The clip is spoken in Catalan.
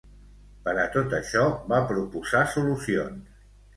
Per a tot això va proposar solucions.